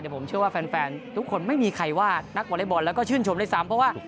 แต่ผมเชื่อว่าแฟนทุกคนไม่มีใครวาดนักวรรยบรแล้วก็ชื่นชมได้ซ้ำ